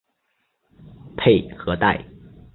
佩和代。